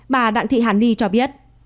bà đặng thị hán ni cho biết